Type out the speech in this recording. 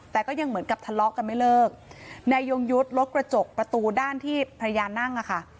แต่ก็ยังเหมือนกับทะเลาะกันไม่เลิกนายยงยุทธ์รถกระจกประตูด้านที่ภรรยานั่งอะค่ะ